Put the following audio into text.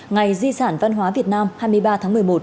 ngày di sản văn hóa việt nam hai mươi ba tháng một mươi một